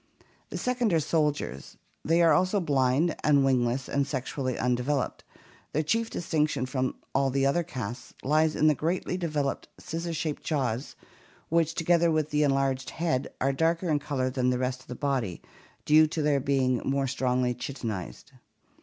The second are the soldiers. These are also blind and wingless and sexually undeveloped. Their chief distinction from all the other castes lies in the greatly developed scissors shaped jaws which, together with the enlarged head, are darker in color than the rest of the body, due to their being more strongly chitinized.